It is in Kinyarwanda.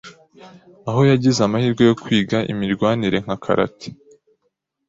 aho yagize amahirwe yo kwiga imirwanire nka Karate,